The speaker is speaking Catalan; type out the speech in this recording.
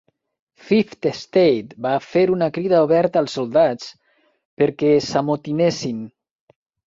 "Fifth Estate" va fer una crida oberta als soldats per que s'amotinessin.